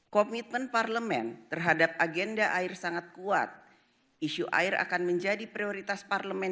komitmen parlemen terhadap agenda air sangat kuat isu air akan menjadi prioritas parlemen